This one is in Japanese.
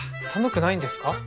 寒くないんですか？